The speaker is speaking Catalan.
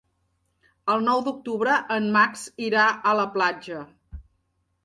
El nou d'octubre en Max irà a la platja.